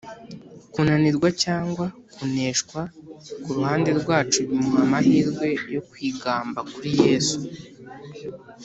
. Kunanirwa cyangwa kuneshwa ku ruhande rwacu bimuha amahirwe yo kwigamba kuri Yesu.